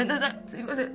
すいません。